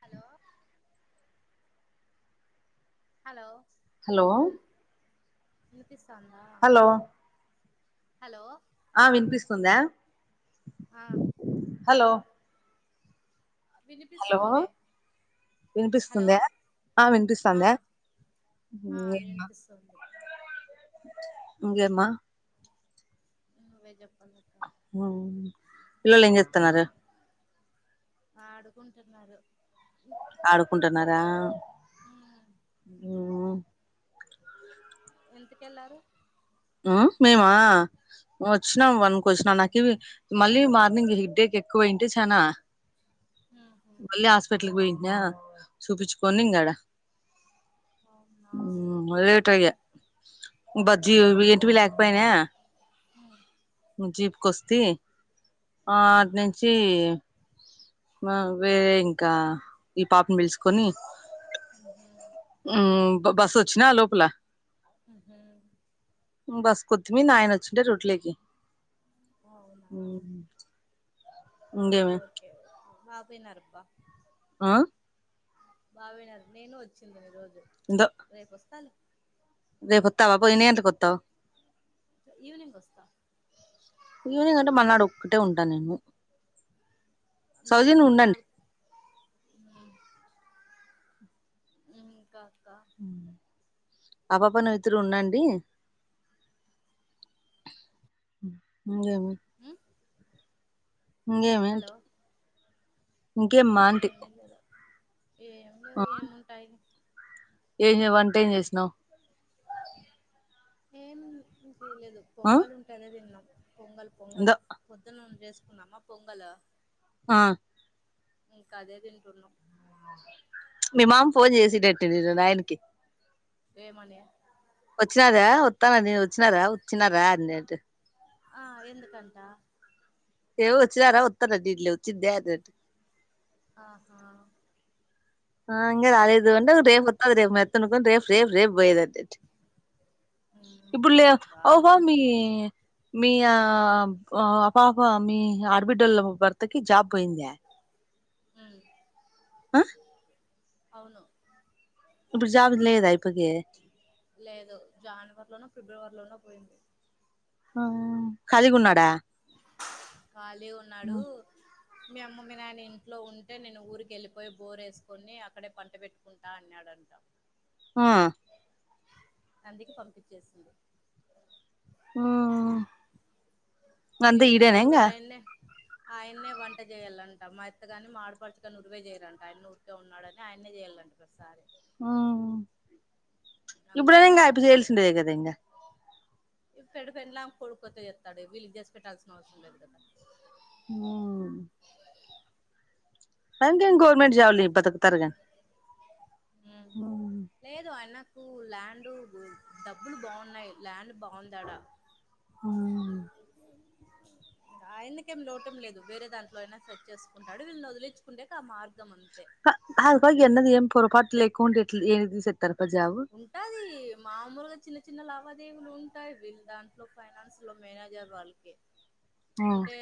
Hello hello hello వినిపిస్తాంద్ hello hello ఆ వినిపిస్తుందా ఆ హలో వినిపిస్తుంది. హలో వినిపిస్తుందె ఆ ఆ వినిపిస్తుందా ఆ ఇంగేమ్మా వినిపిస్తుంది ఇంగేమ్మా నువ్వే చెప్పల్ల ఉమ్ పిల్లలు ఏం చేత్తన్నారు? ఆడుకుంటున్నారు ఆడుకుంటున్నారా? ఉమ్ ఉమ్ ఎంతుకెళ్లారు? ఆ మేమా వచ్చినాం వన్కి వచ్చినాం నాకివ్వి మళ్ళీ మార్నింగ్ హిడ్డేక్ ఎక్కువయింటే చానా ఉహు మళ్ళీ హాస్పిట్ల్కి పోయింట్నా ఆ చూపిచ్చుకోని ఇంగ ఆడ అవునా లేేట్గ బజ్జీ ఓకే ఇంటివి లేలాగపోనా జీప్కొస్తే ఆ అటి నుంచి మా వేరే ఇంకా ఈ పాపని పెలుచుకొని ఉహు బస్ వచ్చిన లోపల హ బస్ కొత్తిమీ నాయన వచ్చింటే రూట్లోకి అవునా ఓకే బబయి నారపా ఆ బావన నేను వచ్చింది నీ రోజు రేపు వస్తాను రే కొత్తా బబ ఇ ఎంత కొత్తా ఈవినింగ్ వస్తా ఇ కంట మన్నాడు అట్టే ఉంటా నేను సౌజీ నాకు నువ్వు ఉండండి మొన్నాడు ఇ ఇంకా ఆపప నువ్ ఇద్దరు ఉన్నాండి ముంగేమ ఇంకేమేంటి హలో ఇంకేం మాంటి ఏమి లేదు ఏం ఆ లేవు ఏముంటాయి ఏం వంట ఏం చేసినా ఏం తెలేదు ఆ పొంగల్ ఉంటద తిన్నాం పొంగల్ పొంగల్ ఇందో పొద్దున్నన్న చేసుకుందమా పొంగల్ ఆ ఇంకాదే తింటున్నాం మీ మామ్ ఫన్ చేసిట నయన్కి ఏమనియ వచ్చినారా వస్తానది వచ్చినారా వచ్చినారా అన్నింటి ఆ ఎందుకంట ఎవచ్చ అర ఉత్త నడ్ లేవు చింది ఆహా ఆంర అఐ ఇదు ఓకే వంట ఓకే రే రే మత్తకు రే రేఫ రేపు పోయద అంట ఇప్పుడు వాళ్ళకి అఔపామి మీ ఆ అపాప మీ ఆడబిడ్డల భర్తకి జాబ్ పోయింది హ ఆ అవును ఇప్పుడు జాపతం లేదా ఇప్పక ఫిబ్రవరిలోనే పోయింది ఆ కదిగున్నాడా ఖాళీ ఉన్నాడు మీ అమ్మ మీ నాయన ఇంట్లో ఉంటే నేను ఊరికి వెళ్ళిపోయి బోర్ వేసుకొని అక్కడే పంట పెట్టుకుంటా అన్నాడు ంట ఆ అందుక పంపించేసింది ఆ వే లేవురు అయన్న ఆయన్న వంట చేయ్యాలంట మెత్తగాని మాడపడుచు కాని ఉడివే చేయాలంట ఆయన ఉరికే ఉన్నాడని ఆయనే చేయాల ఉ ఇప్పుడనే అందుకని ఇంకాయపు చేల్సిండే కదా ఇంకా పెడి పెనలా కోడి కోతే చేస్తాడు వీళ్ళ ఇ చేసి పెట్టాల్సిన అవసరం లేదు కదా ఆ అంకేం గవర్మెంట్ జాబ్లి బతకతరుగా ఉమ్ లేదు అన్న కు ల్యాండు డ్ డబ్బులు బావున్నయి, ల్యాండ్ బావుందాడా హ్మ్ ఆయనకేం లోటెం లేదు వేరే దాంట్లో అయినా సెట్ చేసుకుంటాడు, వీళ్ళనొదిలిచుకుంటేకి ఆ మార్గం ఉంది కుంటెట్ల్ ఏది సెట్ ఉంటాది మామూలుగా చిన్న చిన్న లావా దేవులు ఉంటాయి వీళ్ దాంట్లో ఫైనాన్స్ లో మేనేజర్ వాళ్ళకి అంటే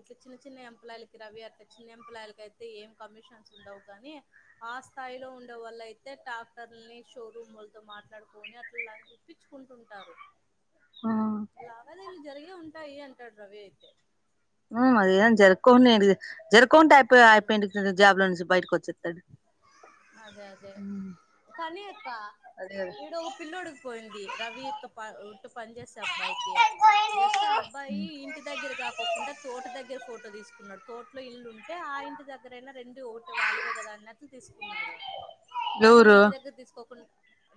ఇట్ల చిన్న చిన్న ఎంప్లాయలకి రవి అట్ల చిన్న ఎంప్లాయ్లకైతే ఏం కమిషన్స్ ఉండవు గాని ఆ స్థాయిలో ఉండేవాళ్లయితే ట్రాక్టర్ని షోరూమ్ వాల్తో మాట్లాడుకొని అట్లలా ఇప్పించుకుంటుంటారు లావాదేలు జరిగే ఉంటాయి అంటాడు రవి అయితే ఉమ్ అదే జరుక్కోనేటిది జరుకు కొంటె అయిపోయ అయిపోయి జాబ్ లో నుంచి బయటకొచ్చేత్తడు. తా ఈడ ఒ పిల్లోడికిపోయింది రవి త్తో ప ట్టు పని చేసే అబ్బాయికి జస్ట్ ఆ అబ్బాయి ఇంటి దగ్గర దాక్కోకుండా తోట దగ్గర ఫోటో దీసుక్ న్నడు తోట్లో ఇల్లు ఉంటే ఆ ఇంటి దగ్గరైనా రెండు ఒకటి వాళ్ళవే గదా అన్నట్లు తీసుకున్నాడు. కనీ ఎవరు ఇంటి దగ్గర దీసుకోకుండా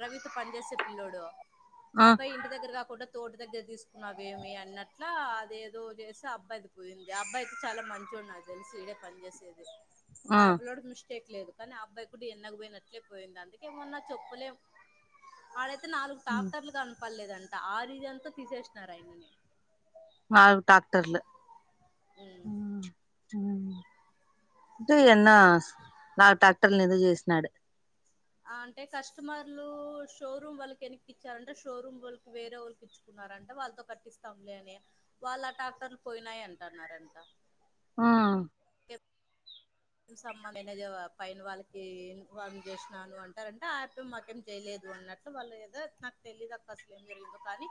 రవితో పని జేసే పిల్లోడు ఆ అబ్బాయి ఇంటి దగ్గర గాకుండా తోట దగ్గర తీసుకున్నావేమి అన్నట్లా అదేదో జేస్తే అబ్బాయిది పోయింది ఆ అబ్బాయికి చాలా మంచి తెలుసు ఈడే పన్ జేసేది ఆ పిల్లోడు నుష్ తెట్లేదు కనీ ఆ అబ్బాయి గుడా ఎన్నగు పోయినట్లే పోయింది అందుకే మొన్నా చెప్పులేవ్ ఆడ తే నాలుగు టాక్టర్లు గనపడ్లేదంట ఆ రీజన్తో తీసేసినారాయనని మావ్ టాక్టర్లు ఉమ్ టే ఎన్న నాలుగు ట్రాక్టర్ల్ను ఏదో చేసినాడు ఆ అంటే కస్టమర్లు షోరూమ్ వాళ్ళకి వెనక్కి ఇచ్చారంట, షోరూమ్ వాల్కి వేరే వోళ్ళకి ఇచ్చుకుంట నారంట వాళ్ళతో కట్టిస్తాంలే అని, వాళ్ళ టాక్టర్లు పోయినాయి అంటన్నారంట ఉమ్ సంబ మేనేజర్ వా పైన వాళ్ళకి ఇన్ఫార్మ్ చేసినాను అంటారంట యాబయి మాకేం చెయలేదు దు అన్నట్లు వాళ్ళు ఏదో నాకు తెలిదక్క అసలేం జరిగిందో కానీ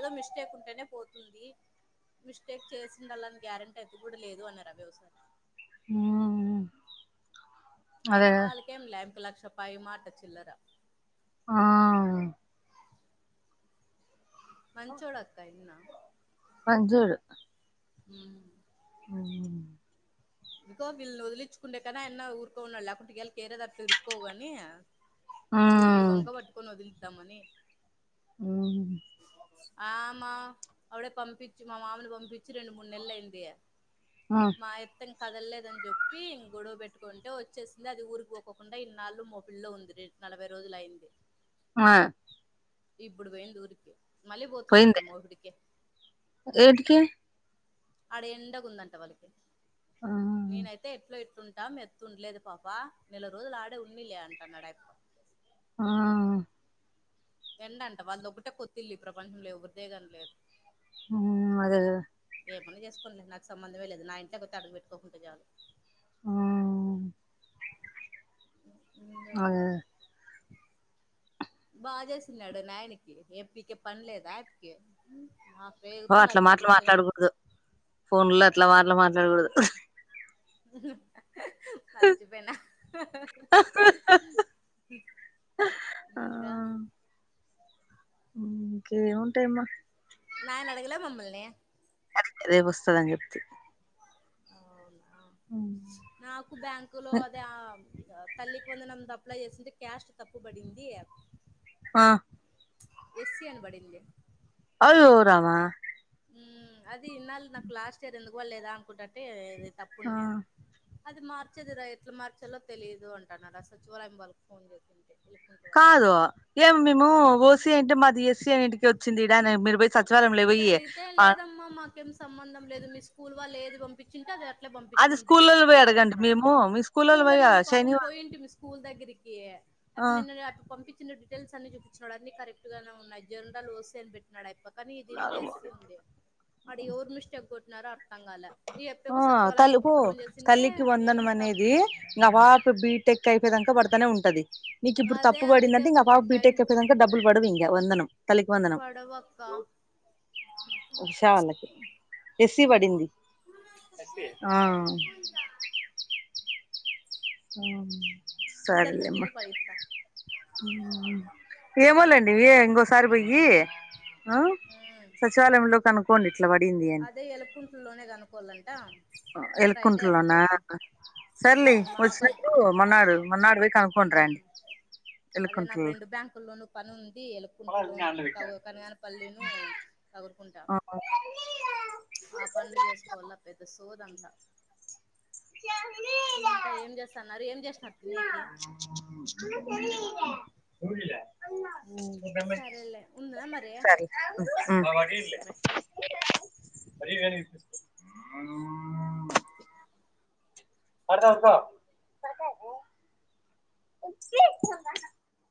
ఏదో మిస్టేక్ ఉంటేనే పోతుంది. మిస్టేక్ చేసిండాలని గ్యారంటయితే గుడా లేదు అన్నారబి ఓసారి ఆ అ అయినా వాళ్ళకేం లేంక లక్షపాయి మాట చిల్లర ఆ మంచోడక్కా ఆయన్నా మంచోడు హ్మ్ హ్మ్ ఇంకొ వీల్నొదిలికుండే కన్నా ఆయన్న ఊర్కోన్నాడు లేక్పోతే కేర దట్ ఇరుక్కోవు గని విల్ని వంక బట్టుకొ వదిలిద్దామని ఆమ అవిడే పంపిచి మా మామని పంపించి రెండు, మూడు నెల్లయింది ఉమ్ న్ కదలేదన్ జెప్పి ఇం గొడవ పెట్టుకుంటే వచ్చేసింది అది ఊరికి పోకోకుండా ఇన్నాళ్ళు మొపిడ్లో ఉంది రెడ్ నలభై రోజులయింది ఆ ఇప్పుడు బోయిందూరికి మళ్ళీ పోయింద పోతుందంట మోపిడికి ఏటికి ఆడ ఎండగుందంట వాళ్ళకి ఆ నేనైతే ఎట్లోత్ తుంటాం మీ అత్త ఉండ లేదు పాప నెల రోజులు ఆడే ఉన్నీలే అంటాన్నాడు ఆయ్యప్పా ఆ ఎండంట వాళ్ళది ఒక్కటే కొత్త ఇల్లు ఈ ప్రపంచంలో ఎవరిదే కాని లేదు ఉ అదే కదా ఏమన్నా చేసుకోనిలే నాకు సంబంధం ఏ లేదు నా ఇంట్లో కొత్తే అడుగు పెట్టుకోకుంటే చాలు ఆ ఇంగక్క అదే బాగా చేసిన్నాడే నాయనకి ఏమి! ! ! ! ! ! ! ! ! ! పనిలేదా అయప్పకి పో అట్లా మాటలు మాట్లాడకూడదు ఫోన్ లో అట్లా మాటలు మాట్లాడకూడదు ఇ మర్చిపోయినా ఆ ఇంగా ఊ ఇంక ఏమి ఉంటాయ్ అమ్మ నాయన అడగాలే మమ్మల్నే రేపు వస్తాడని చెప్తి ఆ నాకు బ్యాంకు లో అదే ఆ తల్లికి వందనం అప్లై చేసింటే క్యాష్ట్ తప్పు పడింది ఆ ఎస్సీ అనీ పడింది అయ్యో రామా ఊ అది ఇన్నాళు నాకు లాస్ట్ ఇయర్ ఎందుకు పడలేదా అనుకుంట ఉంటే ఇది తప్పు ఉన్నది అది మార్చేది రా ఎట్లా మార్చాలో తెలియదు అంటన్నారు ఆ సచివాలయం వాళ్ళకి ఫోన్ చేసింటే ఎలుకుంట వాళ్ళకి కాదు ఏం మేము ఓసి అయింటే మాది ఎస్సీ అనీ ఏంటికి వచ్చింది ఇడా మీరు పోయి సచివాలయంలో అదే పోయి అడిగితే లేదమ్మా మాకేం సంబంధం లేదు మీ స్కూల్ వాళ్ళు ఏది పంపించింటే అది అది పంపించినాం స్కూల్లో డీటెయిల్స్ పోయి పైకి అడగండి అంటున్నాడు మేము మీ స్కూల్లో పోయి నిన్న పాపం శనివారం పోయింటి మీ స్కూల్ దగ్గరికి అయప్ప నిన్న నే పంపించినేటివి టేల్స్ అన్ని చూపిచ్చినాడు అన్ని కరెక్ట్ గానే ఉన్నాయి జనరల్ ఓసి అని పెట్టినాడు అయప్ప కానీ దీంట్లో ఎస్సి ఉంది అడా ఎవరు మిస్టేక్ కొట్టినారో అర్థం కాలే అప్పేమో ఆ తల్లి సచివాలయం పో ఫోన్ చేసింటే తల్లికి వందనం మేమంతా అనేది ఇంగా ఆ పాప బీటెక్ అయిపోయదాక పడుతు తానే ఉంటది నీ ఇప్పుడు అదే తప్పు అందుకే పడిందంటే ఇంకా పాప కొంచెం టైం బీటెక్ అయిపోయేదాకా డబ్బులు పడవు ఇంగా వందనం తల్లికి వందనం పడవు అక్కా ఉషా వాళ్ళకి ఎస్సీ పడింది ఆ ఆ ఇదంతా సరేలేమ్మ తిను పైస్తా ఊ ఏమోలేండి ఇవి ఇంగో సారీ పోయి ఆ సచివాలయంలో కనుక్కోండి ఇట్లా పడింది అని అదే ఎలక్కుంట్లలోనే కనుక్కోవాలంట ఫ్రైడే ఎలకుంట్ల అట్లా లోనా పోతాం సర్లే మాకు అది వచ్చినప్పుడు మన్నాడు మన్నాడు పోయి కనుక్కొని రాండి అదే నాకు రెండు బ్యాంకు లోను పని ఉంది ఎలుక్కుట్ల లోను కనగానీ పల్లెను తగురుకుంటా ఆ పండ్లు చేసుకోవాల్ల పెద్ద సోది అంత ఇంకా ఏం చేస్తన్నారు ఏం చేసినారు తినేకి సరేలే ఉందునా మరి ఊ బాయ్ సర్లే ఆ అర్తప్ప ఇ